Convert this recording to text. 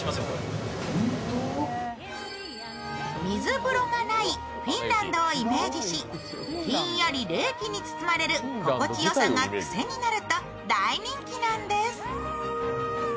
水風呂がないフィンランドをイメージしひんやり冷気に包まれる心地よさが癖になると大人気なんです。